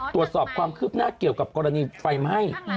ตรวจสอบความคืบหน้าเกี่ยวกับกรณีไฟไหม้